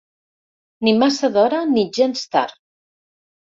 Ni massa d'hora ni gens tard.